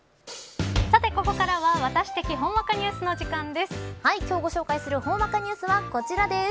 さて、ここからはワタシ的ほんわかニュースの時間です。